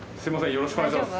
よろしくお願いします。